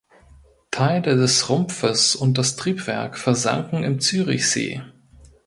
Teile des Rumpfes und das Triebwerk versanken im Zürichsee.